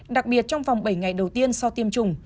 đặc biệt trong vòng bảy ngày đầu tiên sau tiêm chủng